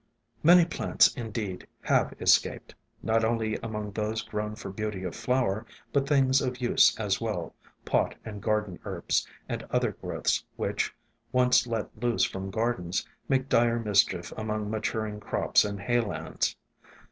Many plants, indeed, have escaped ; not only among those grown for beauty of flower, but things of use as well, pot and garden herbs, and other growths which, once let loose from gardens, make dire mischief among maturing crops and hay lands.